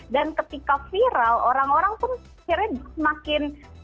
dan ketika viral orang orang pun akhirnya semakin